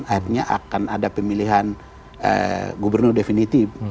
akhirnya akan ada pemilihan gubernur definitif